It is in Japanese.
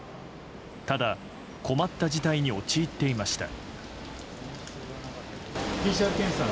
ただ、困った事態に陥っていました。